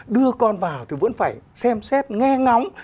đưa con vào thì vẫn phải xem xét nghe ngóng